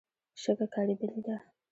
شګه کارېدلې ده.